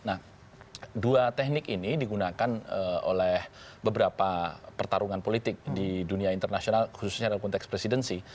nah dua teknik ini digunakan oleh beberapa pertarungan politik di dunia internasional khususnya dalam konteks presidensi